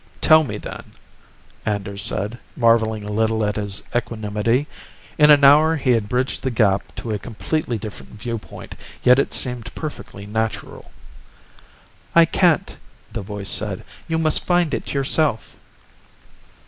"Tell me, then," Anders said, marveling a little at his equanimity. In an hour he had bridged the gap to a completely different viewpoint, yet it seemed perfectly natural. "I can't," the voice said. "You must find it yourself."